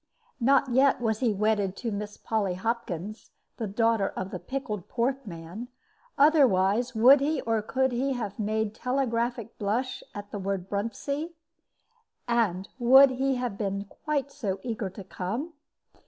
Not yet was he wedded to Miss Polly Hopkins, the daughter of the pickled pork man; otherwise would he or could he have made telegraphic blush at the word "Bruntsea?" And would he have been quite so eager to come?